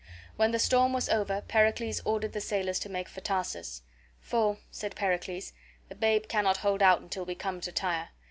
When the storm was over, Pericles ordered the sailors to make for Tarsus. "For," said Pericles, "the babe cannot hold out till we come to Tyre.